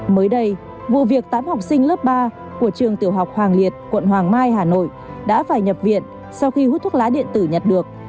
mới đây vụ việc tám học sinh lớp ba của trường tiểu học hoàng liệt quận hoàng mai hà nội đã phải nhập viện sau khi hút thuốc lá điện tử nhặt được